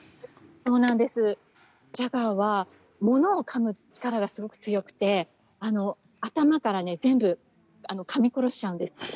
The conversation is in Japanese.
ジャガーはものをかむ力がすごく強くて頭から全部かみ殺しちゃうんです。